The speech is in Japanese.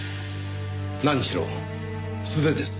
何しろ素手です。